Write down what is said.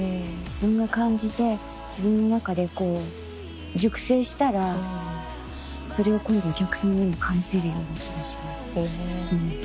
自分が感じて自分の中で熟成したらそれを今度お客様にも返せるような気がします。